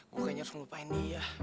gue kayaknya harus ngelupain dia